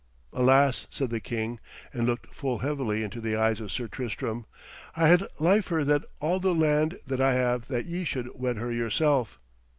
'Alas,' said the king, and looked full heavily into the eyes of Sir Tristram, 'I had liefer than all the land that I have that ye should wed her yourself.'